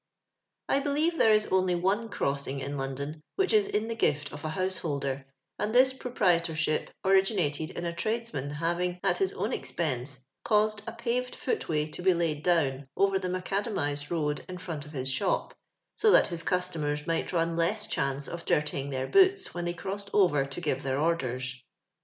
I believe there is only one crossing in London which is in the gift of a householder, and this proprietorship originated in a trades man having, at his own expense, caused a paved footway to be laid down over the Maca damized road in front of his shop, so that his customers might run less chance of dirtying their boots when they crossed over to give their orders.